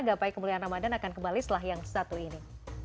gapai kemuliaan ramadan akan kembali setelah yang satu ini